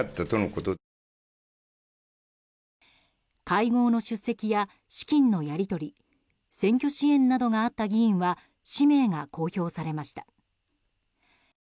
会合の出席や資金のやり取り選挙支援などがあった議員は氏名が公表されました。